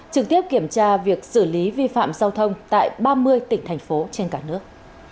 trực tiếp kiểm tra việc xử lý vi phạm giao thông tại ba mươi tỉnh thành phố trên cả nước